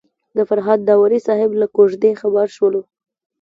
د فرهاد داوري صاحب له کوژدې خبر شولو.